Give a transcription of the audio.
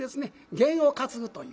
験を担ぐというか。